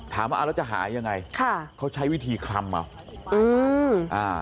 ถามว่าเอาแล้วจะหายังไงเขาใช้วิธีคลำอ่ะ